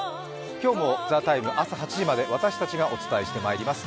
今日も「ＴＨＥＴＩＭＥ，」朝８時まで私たちがお送りしてまいります。